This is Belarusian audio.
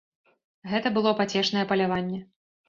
Гэта было пацешнае паляванне.